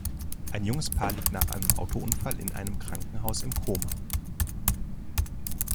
Ein junges Paar liegt nach einem Autounfall in einem Krankenhaus im Koma.